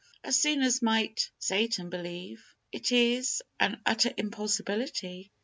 As soon might Satan believe. It is an utter impossibility.